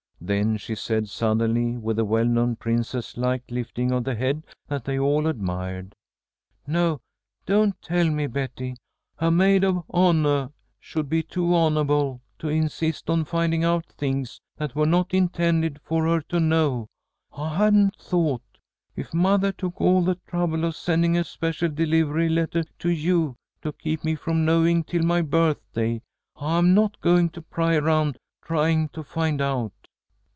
Then she said suddenly, with the well known princess like lifting of the head that they all admired: "No, don't tell me, Betty. A maid of honah should be too honahable to insist on finding out things that were not intended for her to know. I hadn't thought. If mothah took all the trouble of sending a special delivery lettah to you to keep me from knowing till my birthday, I'm not going to pry around trying to find out."